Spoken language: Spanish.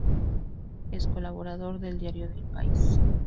Es colaborador del diario El País.